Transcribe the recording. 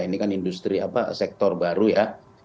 ini kan industri sektor baru ya